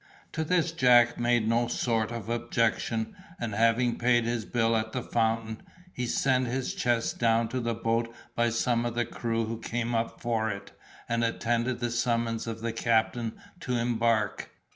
To this Jack made no sort of objection, and having paid his bill at the Fountain, he sent his chest down to the boat by some of the crew who came up for it, and attended the summons of the captain to embark.